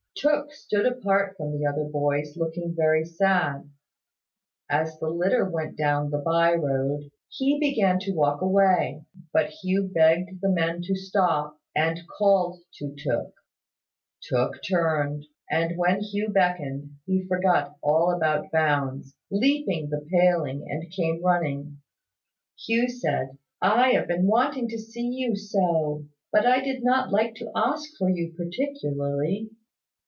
Tooke stood apart from the other boys, looking very sad. As the litter went down the by road, he began to walk away; but Hugh begged the men to stop, and called to Tooke. Tooke turned: and when Hugh beckoned, he forgot all about bounds, leaped the paling, and came running. Hugh said, "I have been wanting to see you so! But I did not like to ask for you particularly."